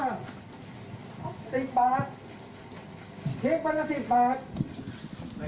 ระยะสิระยะสิเดี๋ยวงันครับแล้วก็ขอร้องนะเดี๋ยวไปสถาบัน